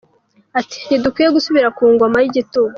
Ati “Ntidukwiye gusubira ku ngoma y’igitugu.